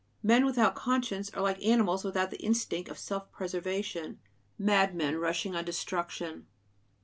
Men without conscience are like animals without the instinct of self preservation; madmen rushing on destruction.